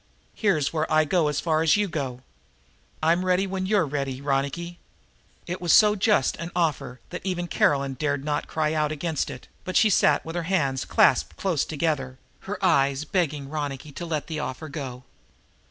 Here's where I go as far as you go. I'm ready when you're ready, Ronicky." It was so just an offer that even Caroline dared not cry out against it, but she sat with her hands clasped close together, her eyes begging Ronicky to let the offer go.